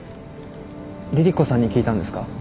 凛々子さんに聞いたんですか？